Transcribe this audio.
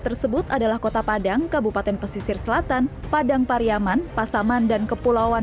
tersebut adalah kota padang kabupaten pesisir selatan padang pariaman pasaman dan kepulauan